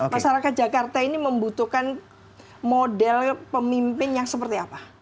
masyarakat jakarta ini membutuhkan model pemimpin yang seperti apa